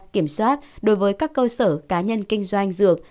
kiểm soát đối với các cơ sở cá nhân kinh doanh dược